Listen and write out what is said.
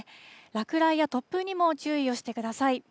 落雷や突風にも注意をしてください。